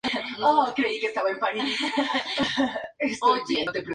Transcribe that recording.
Los lóbulos temporales están localizados debajo y detrás de los lóbulos frontales.